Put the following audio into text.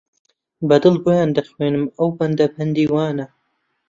بە دڵ بۆیان دەخوێنم ئەو بەندە بەندی وانە